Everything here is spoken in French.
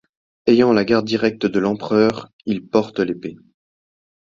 Ayant la garde directe de l'empereur, il porte l'épée.